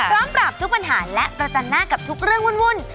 ปราบทุกปัญหาและประจันหน้ากับทุกเรื่องวุ่น